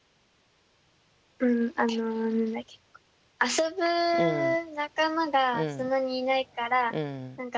うんあの遊ぶ仲間がそんなにいないから何か。